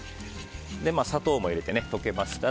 砂糖も入れて溶けましたら